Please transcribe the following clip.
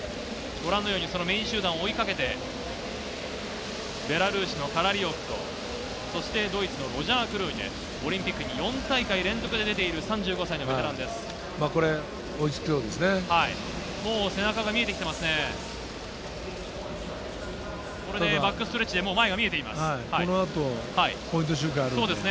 メイン集団を追いかけて、ベラルーシとドイツ、オリンピックに４大会連続に出ている３５歳のベテランで追いつきそうですね。